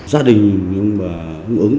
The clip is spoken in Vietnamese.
gia đình ông nguyễn ứng